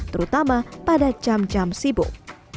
terutama pada cam cam sibuk